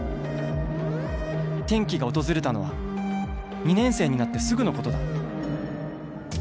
転機が訪れたのは２年生になってすぐのことだ。